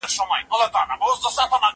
زه اوږده وخت لوښي وچوم وم،